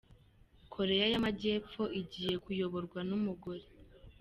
Koreya y’Amajyepfo igiye kuyoborwa n’umugore